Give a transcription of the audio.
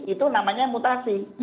itu namanya mutasi